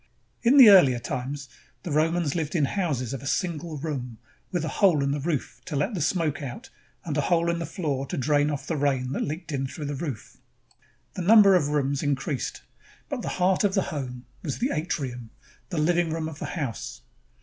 In the earlier times, the Romans Hved in houses of a single room, with a hole in the roof to let the smoke out, and a hole in the floor to drain off the rain that leaked in through the roof. The number of rooms 325 ROME increased, but the heart of the home was the atrium, the living room of the house.